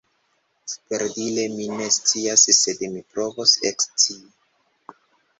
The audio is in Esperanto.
Verdire, mi ne scias, sed mi provos ekscii.